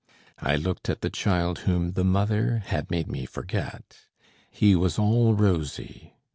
I looked at the child whom the mother had made me forget. He was all rosy.